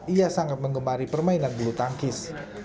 ia sangat mengemari permainan bulu tangkis